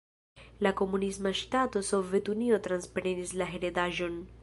La komunisma ŝtato Sovetunio transprenis la heredaĵon.